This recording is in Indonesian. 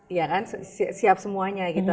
iya kan siap semuanya gitu